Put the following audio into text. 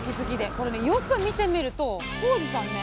これねよく見てみると航次さんね